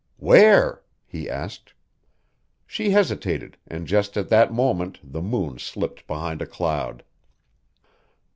"Where?" he asked. She hesitated, and just at that moment the moon slipped behind a cloud.